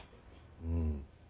うん。